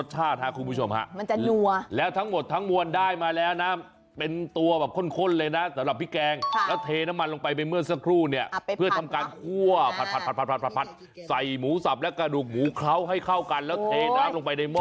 ให้เข้ากันแล้วเทน้ำลงไปในหม้อน้ำซุปอีกที